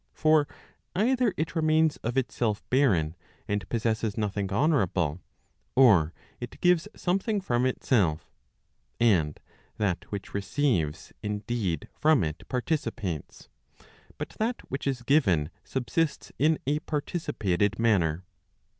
For either * it remains of itself barren, and possesses nothing honourable; or it gives something from itself. And that which receives indeed from it participates, but that which is given subsists in a participated manner.